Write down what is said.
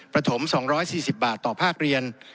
ประถม๒๔๐บาทต่อภาคเรียน